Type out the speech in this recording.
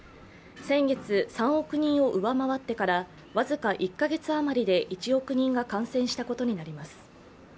先月、３億人を上回ってから僅か１カ月余りで１億人が感染したことになります。